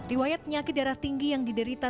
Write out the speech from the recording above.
riwayat penyakit darah tinggi yang diderita